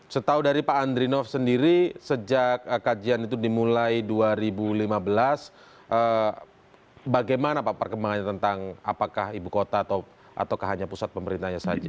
setau dari pak andrinov sendiri sejak kajian itu dimulai dua ribu lima belas bagaimana pak perkembangannya tentang apakah ibu kota atau hanya pusat pemerintahnya saja